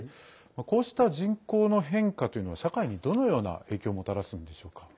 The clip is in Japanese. こうした人口の変化というのは社会にどのような影響をもたらすんでしょうか。